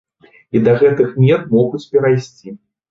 І да гэтых мер могуць перайсці.